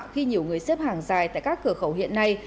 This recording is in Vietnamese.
khi nhiều người xếp hàng dài tại các cửa khẩu hiện nay